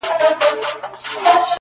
داسي وخت هم وو مور ويله راتــــــــــه،